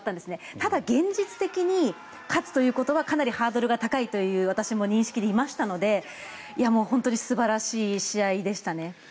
ただ現実的に勝つということはかなりハードルが高いという私も認識でいましたので本当に素晴らしい試合でしたね。